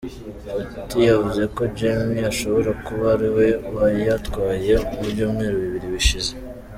Fatty yavuze ko Jammeh ashobora kuba ari we wayatwaye mu byumweru bibiri bishize.